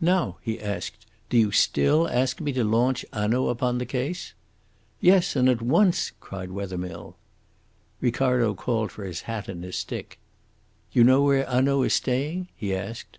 "Now," he asked, "do you still ask me to launch Hanaud upon the case?" "Yes, and at once," cried Wethermill. Ricardo called for his hat and his stick. "You know where Hanaud is staying?" he asked.